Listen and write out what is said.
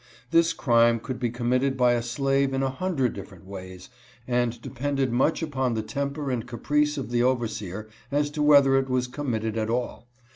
This crime could be committed by a slave in a hundred different ways, and depended much upon the temper and caprice of the overseer as to whether it was committed at all.